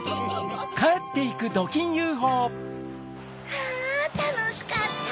あたのしかった！